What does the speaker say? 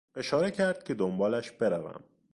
اشاره کرد که دنبالش بروم.